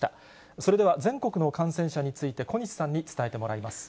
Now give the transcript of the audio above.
それでは全国の感染者について、小西さんに伝えてもらいます。